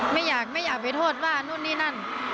ไม่อยากไปโทษว่านู่นนี่นั่น